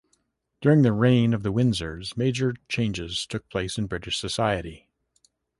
During the reign of the Windsors, major changes took place in British society.